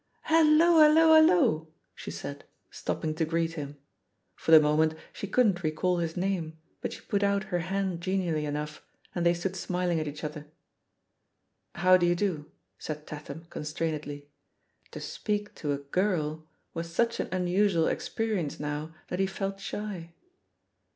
''Hallo, hallo, hallo T' she said, stopping to greet him. For the moment she couldn't recall his name, but she put out her hand genially enough, and they stood smiling at each other. "How d'ye do?" said Tatham constrainedly. To speak to a girl was such an unusual experi* ence now that he felt shy.